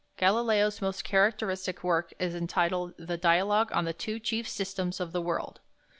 Galileo's most characteristic work is entitled the "Dialogue on the Two Chief Systems of the World."